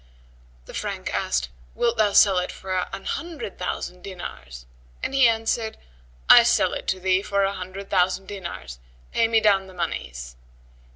The Frank asked, "Wilt thou sell it for an hundred thousand dinars?", and he answered, "I sell it to thee for a hundred thousand dinars; pay me down the monies."